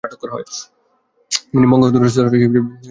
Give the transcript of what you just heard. তিনি ব্যঙ্গকৌতুক রসের স্রষ্টা হিসেবে বিশেষভাবে পরিচিত।